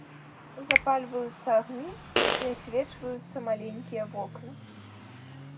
Запальваюцца агні, і асвечваюцца маленькія вокны.